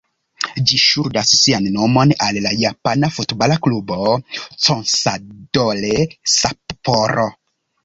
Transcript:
Ĝi ŝuldas sian nomon al la japana futbala klubo "Consadole Sapporo".